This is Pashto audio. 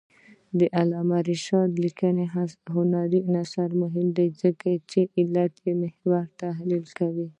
د علامه رشاد لیکنی هنر مهم دی ځکه چې علتمحوره تحلیل کوي.